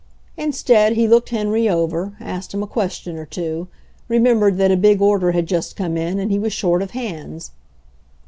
Instead, he looked Henry over, asked him a question or two, remembered that a big order had just come in and he was short of hands.